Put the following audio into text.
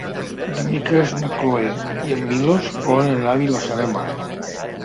Dimecres na Cloè i en Milos volen anar a Vilassar de Mar.